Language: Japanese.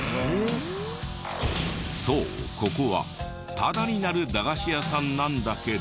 そうここはタダになる駄菓子屋さんなんだけど。